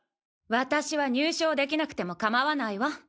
私は入賞できなくてもかまわないわ。